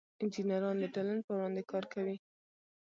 انجینران د ټولنې په وړاندې کار کوي.